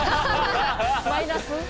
マイナス？